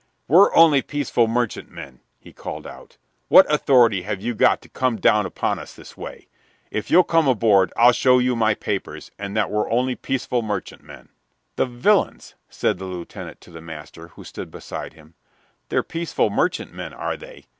"We're only peaceful merchantmen!" he called out. "What authority have you got to come down upon us this way? If you'll come aboard I'll show you my papers and that we're only peaceful merchantmen." "The villains!" said the lieutenant to the master, who stood beside him. "They're peaceful merchantmen, are they!